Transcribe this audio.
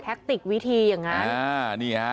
ติกวิธีอย่างนั้น